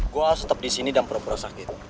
gue harus tetep disini dan pura pura sakit